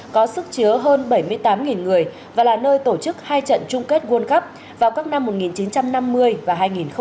có sức chứa hơn bảy mươi tám người và là nơi tổ chức hai trận chung kết world cup vào các năm một nghìn chín trăm năm mươi và hai nghìn hai mươi